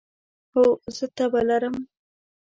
هو، زه تبه لرم